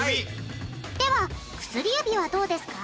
では薬指はどうですか？